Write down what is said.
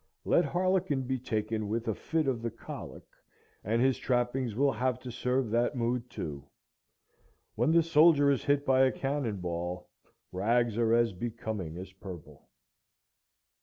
Let Harlequin be taken with a fit of the colic and his trappings will have to serve that mood too. When the soldier is hit by a cannon ball rags are as becoming as purple.